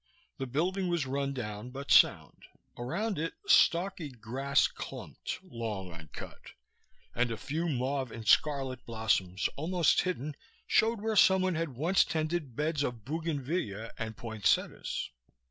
The building was rundown but sound. Around it stalky grass clumped, long uncut, and a few mauve and scarlet blossoms, almost hidden, showed where someone had once tended beds of bougainvillea and poinsettias.